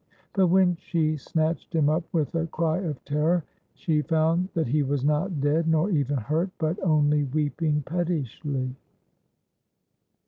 But when she snatched him up with a cry of terror, she found that he was not dead, nor even hurt, but only weeping pettishly.